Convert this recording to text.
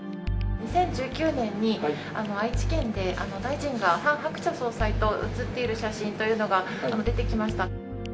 ２０１９年に、愛知県で大臣がハン・ハクチャ総裁と写っている写真というのが出てきました。